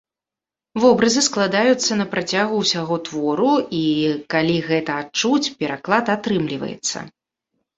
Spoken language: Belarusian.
Вобразы складаюцца на працягу ўсяго твору, і калі гэта адчуць, пераклад атрымліваецца.